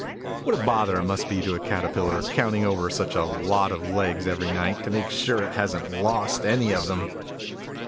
What a bother it must be to a Caterpillar, counting over such a lot of legs, every night, to make sure it hasn't lost any of them